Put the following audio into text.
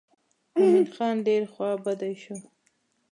مومن خان ډېر خوا بډی شو.